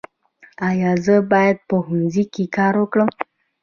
ایا زه باید په ښوونځي کې کار وکړم؟